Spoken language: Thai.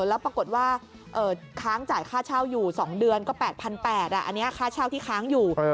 แล้วปรากฏว่าค้างจ่ายค่าเช่าอยู่๒เดือนก็๘๘๐๐บาทอันนี้ค่าเช่าที่ค้างอยู่